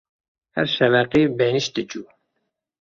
Her şeveqê benîşt dicû.